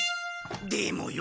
でもよ